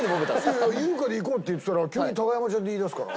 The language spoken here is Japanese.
いやいや優香でいこうって言ってたら急に高山ちゃんって言いだすから。